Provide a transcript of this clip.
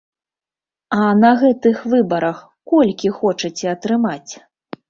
А на гэтых выбарах колькі хочаце атрымаць?